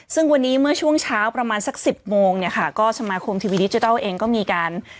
ซึ่งวันนี้เมื่อช่วงเช้าประมาณสักสิบโมงเนี่ยค่ะก็สมาคมทีวีดิจิทัลเองก็มีการ